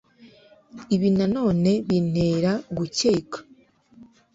ibi na none bintera gukeka